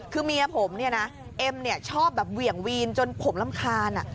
คือเมียผมเนี่ยนะเอ็มเนี่ยชอบแบบเหวี่ยงวีนจนผมรำคาญ